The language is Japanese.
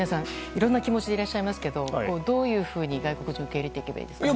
いろんな気持ちでいらっしゃいますがどういうふうに外国人を受け入れていけばいいですか。